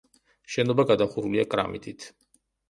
შენობა გადახურულია კრამიტით.